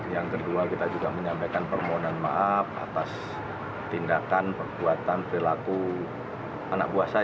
yang kedua kita juga menyampaikan permohonan maaf atas tindakan perbuatan perilaku anak buah saya